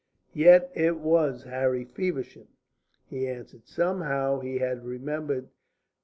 "Yet it was Harry Feversham," he answered. "Somehow he had remembered.